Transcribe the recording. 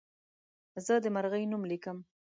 زه د مرغۍ نوم لیکم.